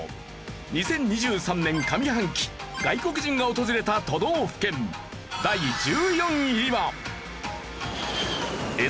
２０２３年上半期外国人が訪れた都道府県。の都道府県です。